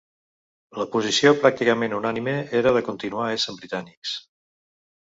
La posició pràcticament unànime era de continuar essent britànics.